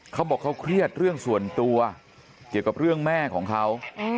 เขาบอกเขาเครียดเรื่องส่วนตัวเกี่ยวกับเรื่องแม่ของเขา